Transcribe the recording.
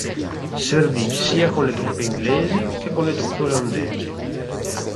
Servì sia con le truppe inglesi che con le truppe olandesi.